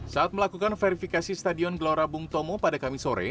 saat melakukan verifikasi stadion gelora bung tomo pada kamis sore